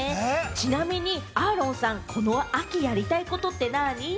ちなみにアーロンさん、この秋にやりたいことってなぁに？